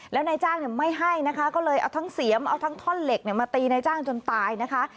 แล้วนายจ้างไม่ให้นะคะก็เลยเอาทั้งเสียมเอาทั้งท่อนเหล็กมาตีนายจ้างจนตายนะคะ